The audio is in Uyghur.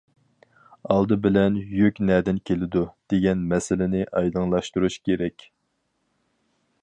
ئالدى بىلەن يۈك نەدىن كېلىدۇ، دېگەن مەسىلىنى ئايدىڭلاشتۇرۇش كېرەك.